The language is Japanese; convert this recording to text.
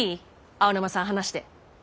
青沼さん話して。